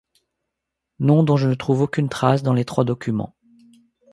nom dont je ne trouve aucune trace dans les trois documents.